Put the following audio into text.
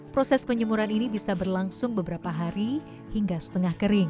proses penjemuran ini bisa berlangsung beberapa hari hingga setengah kering